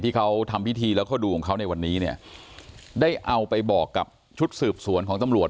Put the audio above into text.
ที่เขาทำพิธีแล้วเขาดูของเขาในวันนี้เนี่ยได้เอาไปบอกกับชุดสืบสวนของตำรวจ